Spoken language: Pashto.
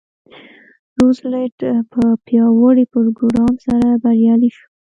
روزولټ په پیاوړي پروګرام سره بریالی شو.